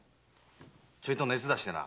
ちょいと熱だしてな。